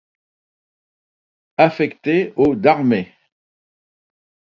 Affectée au d'armée.